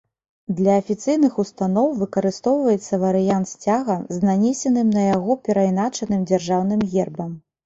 Для афіцыйных устаноў выкарыстоўваецца варыянт сцяга з нанесеным на яго перайначаным дзяржаўным гербам.